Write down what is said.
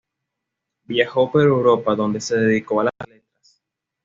Viajó por Europa, donde se dedicó a las Letras.